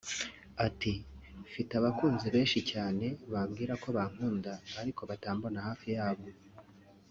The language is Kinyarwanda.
Ati “Mfite abakunzi benshi cyane bambwira ko bankunda ariko batambona hafi yabo